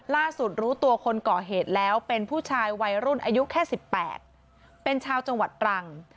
รู้ตัวคนก่อเหตุแล้วเป็นผู้ชายวัยรุ่นอายุแค่๑๘เป็นชาวจังหวัดตรัง